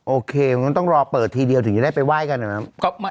โอเคมันก็ต้องรอเปิดทีเดียวถึงจะได้ไปไหว้กันนะครับ